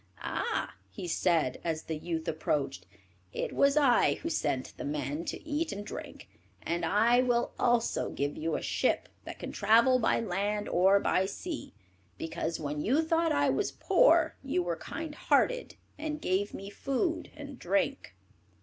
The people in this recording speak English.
"Ah," he said, as the youth approached, "it was I who sent the men to eat and drink, and I will also give you a ship that can travel by land or by sea, because when you thought I was poor you were kind hearted, and gave me food and drink."